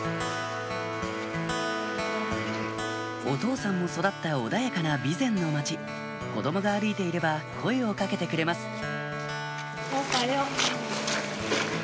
お父さんも育った穏やかな備前の町子供が歩いていれば声を掛けてくれます